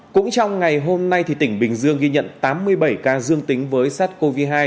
cũng trong ngày hôm nay tỉnh bình dương ghi nhận tám mươi bảy ca dương tính với sars cov hai